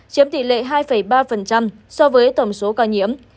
chiếm tỷ lệ hai ba so với tổng số ca nhiễm